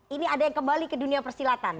ini ada yang kembali ke dunia persilatan